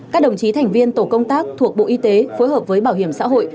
các đồng chí thành viên tổ công tác thuộc bộ y tế phối hợp với bảo hiểm xã hội